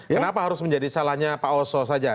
kenapa harus menjadi salahnya pak oso saja